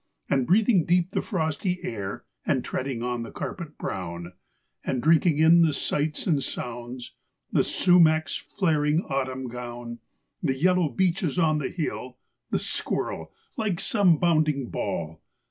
And breathing deep the frosty air, and treading on the carpet brown And drinking in the sights and sounds— the sumac's flaring autumn gown. The yellow beeches on the hill, the squir¬ rel, like some bounding ball.